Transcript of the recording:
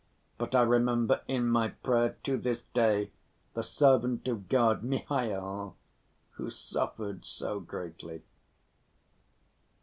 But I remember in my prayer to this day, the servant of God, Mihail, who suffered so greatly.